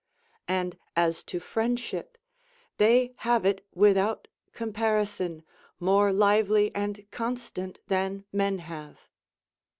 And as to friendship, they have it without comparison more lively and constant than men have.